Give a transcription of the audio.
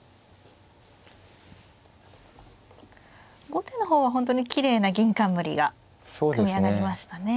後手の方は本当にきれいな銀冠が組み上がりましたね。